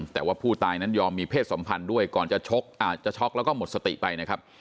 แต่ว่าผู้ตายนั้นยอมมีเพศสัมพันธ์ด้วยก่อนจะชกอาจจะช็อกแล้วก็หมดสติไปนะครับ